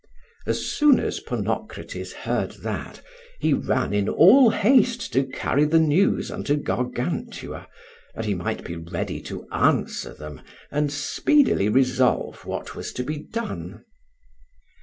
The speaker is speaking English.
As soon as Ponocrates heard that, he ran in all haste to carry the news unto Gargantua, that he might be ready to answer them, and speedily resolve what was to be done.